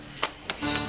よし。